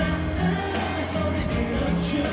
แววรูป